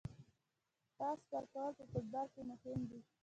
پاس ورکول په فوټبال کې مهم دي.